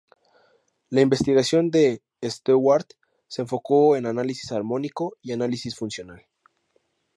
La investigación de Stewart se enfocó en análisis armónico y análisis funcional.